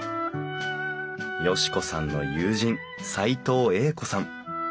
嘉子さんの友人斎藤栄子さん。